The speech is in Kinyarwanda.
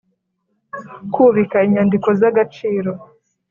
Kubika inyandiko z agaciro